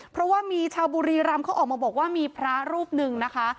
เพราะว่ามีชาวบุรีรำเขาออกมาบอกว่ามีพระรูปหนึ่งนะคะ